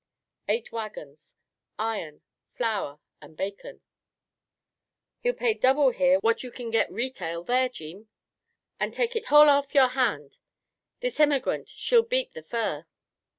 "Eight wagons. Iron, flour and bacon." "Hi'll pay ye double here what you'll kin git retail there, Jeem, and take it h'all h'off your hand. This h'emigrant, she'll beat the fur."